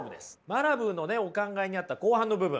マラブーのお考えにあった後半の部分。